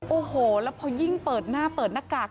โอ้โหแล้วพอยิ่งเปิดหน้าเปิดหน้ากาก